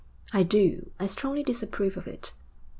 'I do. I strongly disapprove of it.'